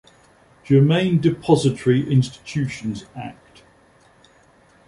Germain Depository Institutions Act.